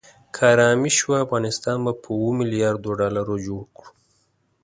که آرامي شوه افغانستان به په اوو ملیاردو ډالرو جوړ کړو.